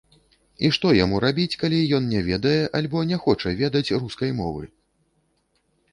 І што яму рабіць, калі ён не ведае альбо не хоча ведаць рускай мовы?